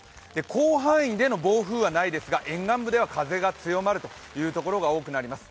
広範囲での暴風雨はないですが沿岸部では風が強まるというところが多くなってきます。